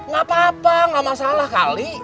gak apa apa nggak masalah kali